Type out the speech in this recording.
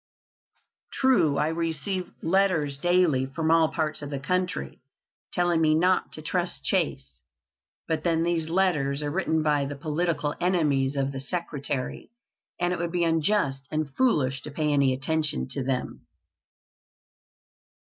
"True, I receive letters daily from all parts of the country, telling me not to trust Chase; but then these letters are written by the political enemies of the Secretary, and it would be unjust and foolish to pay any attention to them."